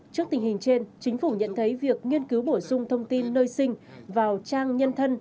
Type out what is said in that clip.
trước tình hình trên chính phủ nhận thấy việc nghiên cứu bổ sung thông tin nơi sinh vào trang nhân thân